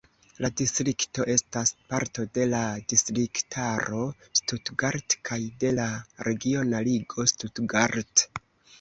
La distrikto estas parto de la distriktaro Stuttgart kaj de la regiona ligo Stuttgart.